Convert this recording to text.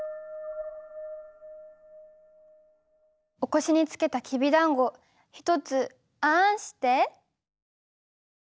お腰につけたきびだんご一つあんして？